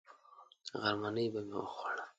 غرمنۍ به مې وخوړه.